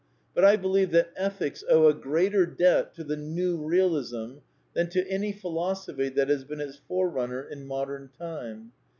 But I be lieve that Ethics owe a greater debt to the New Bealism than to any philosophy that has been its forerunner in modem time.